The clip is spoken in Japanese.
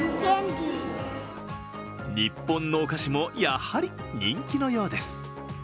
日本のお菓子もやはり人気のようです。